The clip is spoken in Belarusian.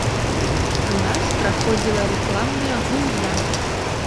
У нас праходзіла рэкламная гульня.